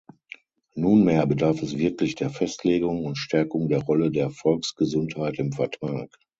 Nunmehr bedarf es wirklich der Festlegung und Stärkung der Rolle der Volksgesundheit im Vertrag.